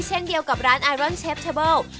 เช่นเดียวกับร้านอารอนเชฟเทอร์เบิล